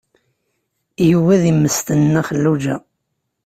Yuba ad immesten Nna Xelluǧa.